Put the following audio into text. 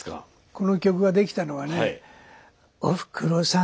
この曲ができたのはね「おふくろさん」。